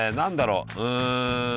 うん。